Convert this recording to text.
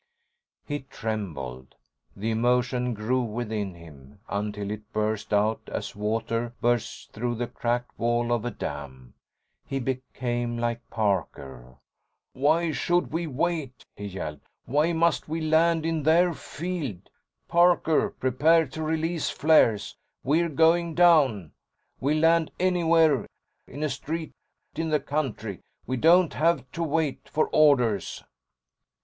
He trembled. The emotion grew within him until it burst out as water bursts through the cracked wall of a dam. He became like Parker. "Why should we wait?" he yelled. "Why must we land in their field? Parker! Prepare to release flares! We're going down! We'll land anywhere—in a street, in the country. We don't have to wait for orders!"